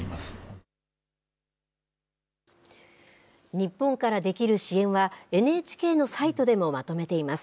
日本からできる支援は、ＮＨＫのサイトでもまとめています。